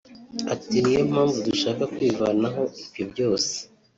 Ati ”Ni yo mpamvu dushaka kwivanaho ibyo byose